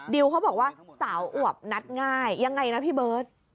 ดิวเขาบอกว่าสาวอวบนัดง่ายยังไงนะพี่เบิร์ต